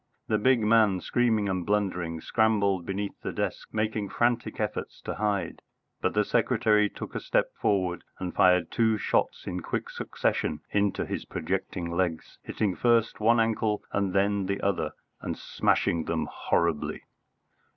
The big man, screaming and blundering, scrambled beneath the desk, making frantic efforts to hide, but the secretary took a step forward and fired two shots in quick succession into his projecting legs, hitting first one ankle and then the other, and smashing them horribly.